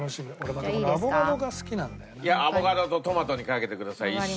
アボカドとトマトにかけてください一緒に。